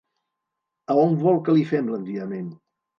A on vol que li fem l'enviament?